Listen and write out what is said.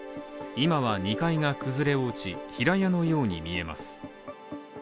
今は２階が崩れを打ち、平屋のように見えます。